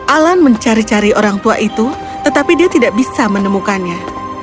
alan mencari cari orang tua itu tetapi dia tidak bisa menemukannya